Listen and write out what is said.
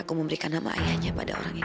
aku memberikan nama ayahnya pada orang itu